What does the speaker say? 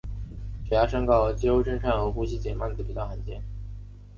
血压升高和肌肉震颤和呼吸减慢则较罕见。